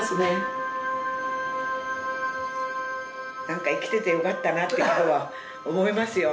なんか生きててよかったなって今日は思いますよ